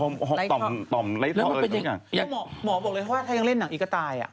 หมอบอกเลยว่าถ้ายังเล่นหนังอีกก็ตาย